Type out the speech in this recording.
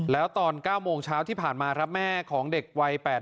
แล้วตอน๙โมงเช้าที่ผ่านมาแม่ของเด็กวัย๘เดือน